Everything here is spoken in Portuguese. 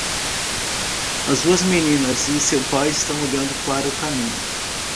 As duas meninas e seu pai estão olhando para o caminho.